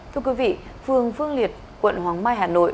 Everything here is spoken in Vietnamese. thưa quý vị phường phương liệt quận hoàng mai hà nội